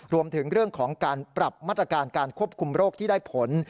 รวมถึงเรื่องของการปรับมาตรการการควบคุมโรคที่ได้ผล